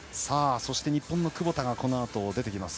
そして日本の窪田がこのあと出てきます。